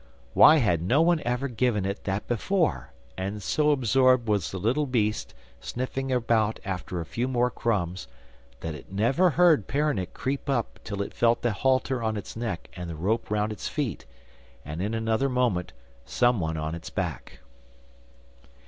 Why had no one ever given it that before, and so absorbed was the little beast, sniffing about after a few more crumbs, that it never heard Peronnik creep up till it felt the halter on its neck and the rope round its feet, and in another moment some one on its back.